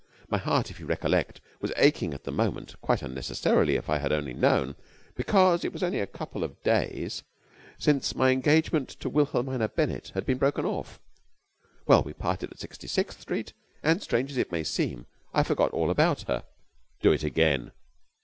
My heart, if you recollect, was aching at the moment quite unnecessarily if I had only known because it was only a couple of days since my engagement to Wilhelmina Bennett had been broken off. Well, we parted at Sixty sixth Street, and, strange as it may seem, I forgot all about her." "Do it again!"